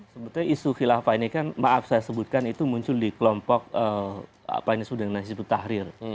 sebetulnya isu khilafah ini kan maaf saya sebutkan itu muncul di kelompok apa yang disebut dengan hizbut tahrir